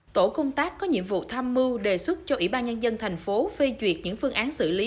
tổ công tác có nhiệm vụ tham mưu đề xuất cho ủy ban nhân dân thành phố phê duyệt những phương án xử lý